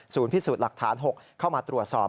พิสูจน์หลักฐาน๖เข้ามาตรวจสอบ